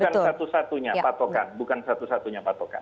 bukan satu satunya patokan bukan satu satunya patokan